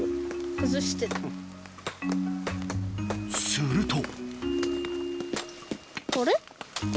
すると。